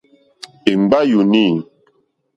Ìŋɡbá yùùnî.